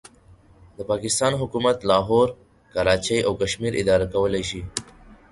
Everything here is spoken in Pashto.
د پاکستان حکومت لاهور، کراچۍ او کشمیر اداره کولای شي.